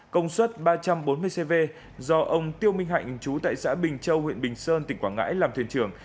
công suất ba trăm bốn mươi cv do ông tiêu minh hạnh chú tại xã bình châu huyện bình sơn tỉnh quảng ngãi làm thuyền trưởng